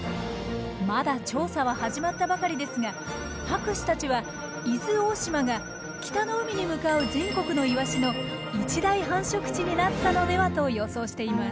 まだ調査は始まったばかりですが博士たちは伊豆大島が北の海に向かう全国のイワシの一大繁殖地になったのではと予想しています。